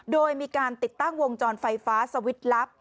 โดยมีการติดตั้งวงจรไฟฟ้าสวิตช์ลับ